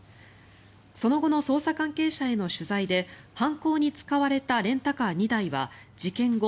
その後の捜査関係者への取材で犯行に使われたレンタカー２台は事件後